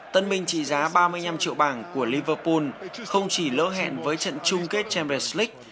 tân minh trị giá ba mươi năm triệu bảng của liverpool không chỉ lỡ hẹn với trận chung kết champers league